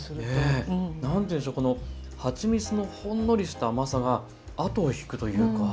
何て言うんでしょこのはちみつのほんのりとした甘さが後を引くというか。